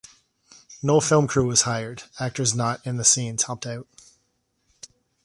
No film crew was hired; actors not in the scenes helped out.